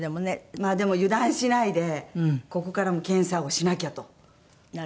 まあでも油断しないでここからも検査をしなきゃと思ってます。